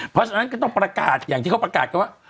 เพราะฉะนั้นก็ต้องประกาศอย่างที่เขาประกาศกันว่า